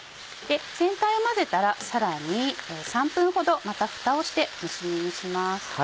全体を混ぜたらさらに３分ほどまたふたをして蒸し煮にします。